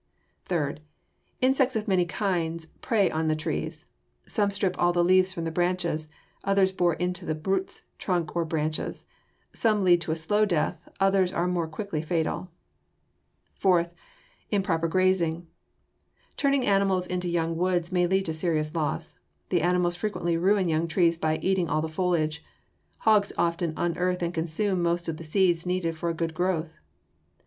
Third, insects of many kinds prey on the trees. Some strip all the leaves from the branches. Others bore into the roots, trunk, or branches. Some lead to a slow death; others are more quickly fatal. Fourth, improper grazing. Turning animals into young woods may lead to serious loss. The animals frequently ruin young trees by eating all the foliage. Hogs often unearth and consume most of the seeds needed for a good growth. [Illustration: FIG.